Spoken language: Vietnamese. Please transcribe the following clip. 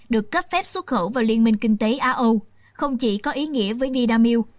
được cấp phép xuất khẩu vào liên minh kinh tế á âu không chỉ có ý nghĩa với vinamilk